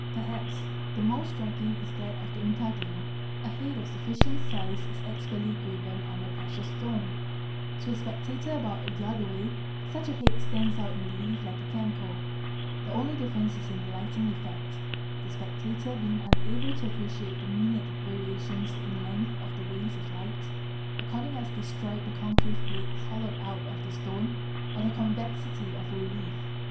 Perhaps the most striking is that of the intaglio: a head of sufficient size is expertly graven on a precious stone to a spectator about a yard away such a head stands out in relief like ¢ cameo ; the only difference is in the lighting effect, the spectator being unable to appreciate the minute variations in length of the rays of light. according as they strike the concave head hollowed out of the stone c the convexity of a relief.